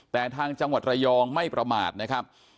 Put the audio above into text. แต่ทางจังหวัดระยองไม่ประมาทนะครับ